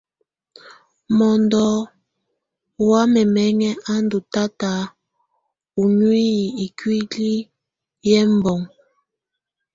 Mɔndɔ wa ɛmɛŋɛ a ndù tata u nuiyi ikuili yɛ ɛbɔŋɔ.